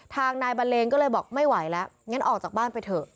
ทางนายบันเลงก็เลยบอกไม่ไหวแล้วงั้นออกจากบ้านไปเถอะ